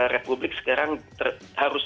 republik sekarang harus